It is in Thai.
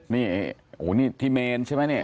นี่โอ้โหนี่ที่เมนใช่ไหมเนี่ย